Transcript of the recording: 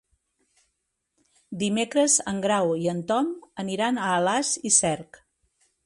Dimecres en Grau i en Tom aniran a Alàs i Cerc.